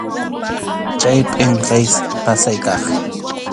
Chay pʼinqay pasay kaq.